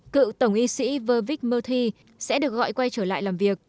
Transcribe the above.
cựu tổng y sĩ verbeek murthy sẽ được gọi quay trở lại làm việc